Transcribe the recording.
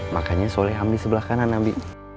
makanya soleh amri sebelah kanan abi